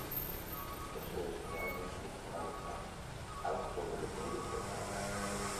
Eso es realmente, una vez más, algo sobre lo que ellos deben hablar.